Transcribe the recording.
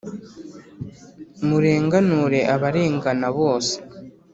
, murenganure abarengana, bose